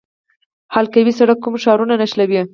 حلقوي سړک کوم ښارونه نښلوي؟